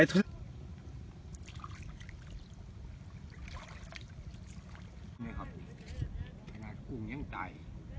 อร่อยเป็นอันนี้นี้